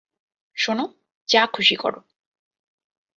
শোনো, যা খুশি করো।